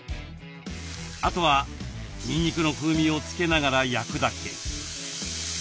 あとはにんにくの風味を付けながら焼くだけ。